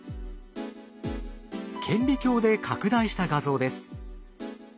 顕微鏡で拡大した画像です。